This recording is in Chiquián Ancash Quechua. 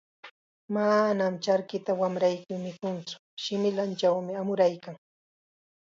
"Manam charkita wamrayki mikuntsu, shimillanchawmi amuraykan."